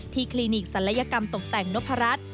ที่คลินิกสันละยกรรมตกแต่งโนภารัฐ